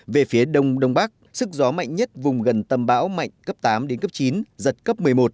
về phía đông đông bắc sức gió mạnh nhất vùng gần tâm bão mạnh cấp tám đến cấp chín giật cấp một mươi một